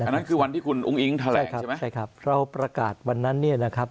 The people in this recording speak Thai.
นั่นคือวันที่คุณอุ้งอิ๊งแถลงใช่ไหมใช่ครับเราประกาศวันนั้นเนี่ยนะครับ